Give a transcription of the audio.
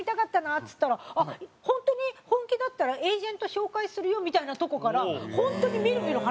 っつったら「本当に本気だったらエージェント紹介するよ」みたいなとこから本当にみるみる話が進んで。